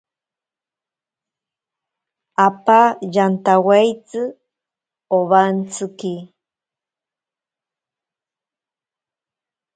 Apa yantawaitsi owantsiki.